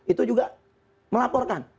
itu juga melaporkan